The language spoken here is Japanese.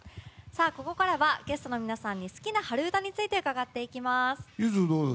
ここからはゲストの皆さんに好きな春うたについて伺っていきます。